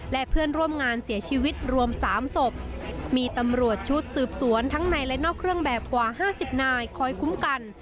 และเพื่อนร่วมงานเสียชีวิตรวม๓ศพมีตำรวจชุดสืบสวนทั้งในและนอกเครื่องแบบกว่า๕๐นายคอยคุ้มกัน